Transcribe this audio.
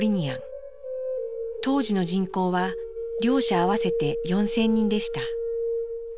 当時の人口は両者合わせて４，０００人でした。